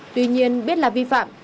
tuy nhiên biết là vi phạm